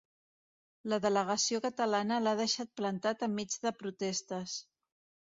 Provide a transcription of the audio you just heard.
La delegació catalana l’ha deixat plantat enmig de protestes.